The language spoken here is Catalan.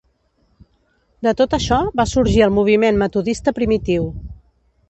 De tot això va sorgir el moviment Metodista Primitiu.